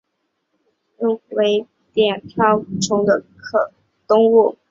鲫碘泡虫为碘泡科碘泡虫属的动物。